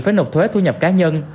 phải nộp thuế thu nhập cá nhân